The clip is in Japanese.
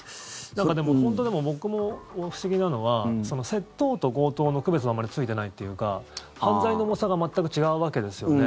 でも、本当僕も不思議なのは窃盗と強盗の区別があまりついてないっていうか犯罪の重さが全く違うわけですよね。